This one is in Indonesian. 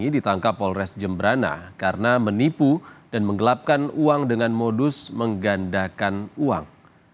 ditangkap polres jemberana karena menipu dan menggelapkan uang dengan modus menggandakan uang